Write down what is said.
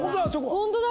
ホントだ！